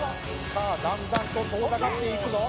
さあだんだんと遠ざかっていくぞ